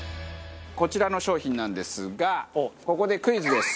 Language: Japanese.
こちらの商品なんですがここでクイズです。